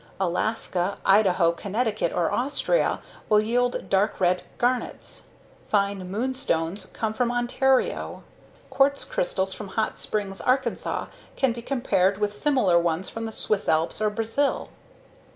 Alaska, Idaho, Connecticut or Austria will yield dark red garnets. Fine moonstones come from Ontario; quartz crystals from Hot Springs, Arkansas, can be compared with similar ones from the Swiss Alps or Brazil.